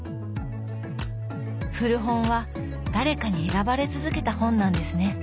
古本は誰かに選ばれ続けた本なんですね。